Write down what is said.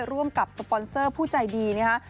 ร่วมกับสปอนเซอร์ผู้ใจดีนะฮะ